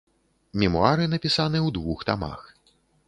Мемуары напісаны ў двух тамах.